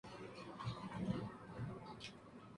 La corona de hidalgo es la base de todas las coronas hispanas.